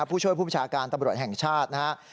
ผู้ช่วยผู้ประชาการตำรวจแห่งชาตินะครับ